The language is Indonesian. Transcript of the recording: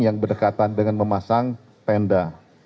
yang berdekatan dengan memasang tenda